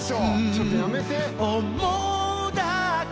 ちょっとやめて。